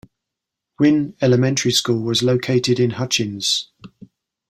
Winn Elementary School was located in Hutchins.